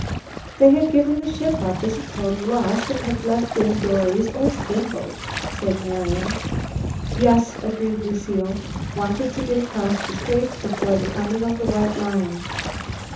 "They have given the ship up as a total loss, and have left in dories or skin boats," said Marian. "Yes," agreed Lucile. "Wanted to get across the Straits before the coming of the White Line."